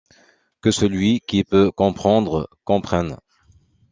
Que celui qui peut comprendre comprenne.